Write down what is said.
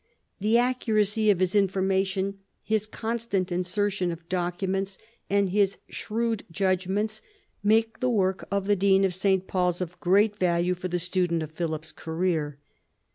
The accuracy of his informa tion, his constant insertion of documents, and his shrewd judgments, make the work of the Dean of S. Paul's of great value for the student of Philip's career.